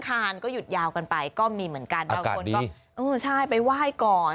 คือตั้งแต่วันก็หยุดยาวกันไปก็มีเหมือนกันอากาศดีไปไหว้ก่อน